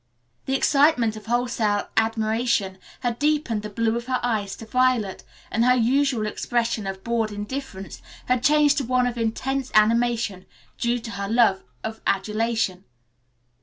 The excitement of wholesale admiration had deepened the blue of her eyes to violet and her usual expression of bored indifference had changed to one of intense animation, due to her love of adulation.